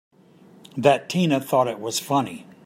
That Tina thought it was funny!